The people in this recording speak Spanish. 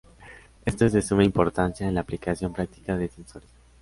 Esto es de suma importancia en la aplicación práctica de tensores.